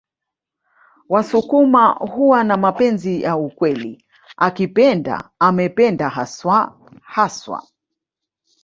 Wasukuma huwa na mapenzi ya ukweli akipenda amependa haswa haswa